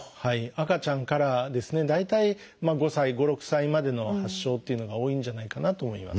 赤ちゃんからですね大体５６歳までの発症っていうのが多いんじゃないかなと思います。